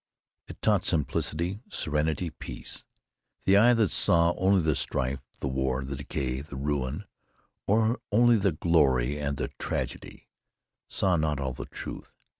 It taught simplicity, serenity, peace. The eye that saw only the strife, the war, the decay, the ruin, or only the glory and the tragedy, saw not all the truth.